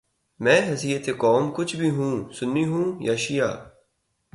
من حیثء قوم کچھ بھی ہو، سنی ہو یا شعیہ